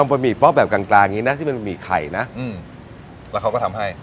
ลองบะหมี่เปาะแบบกลางนี้นะที่มันเป็นบะหมี่ไข่นะอืมแล้วเขาก็ทำให้